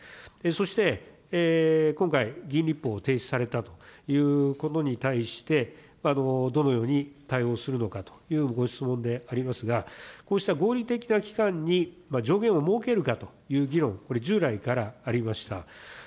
そして今回、議員立法をされたということに対して、どのように対応するのかというご質問でありますが、こうした合理的な期間に上限を設けるかという議論、これ従来からありました。